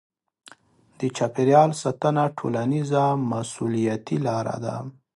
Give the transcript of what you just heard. د چاپیریال ساتنه ټولنیزه مسوولیتي لاره ده.